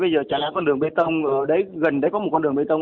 bây giờ chả lẽ con đường bê tông gần đấy có một con đường bê tông